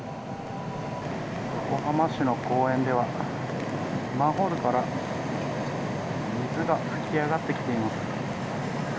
横浜市の公園ではマンホールから水が噴き上がってきています。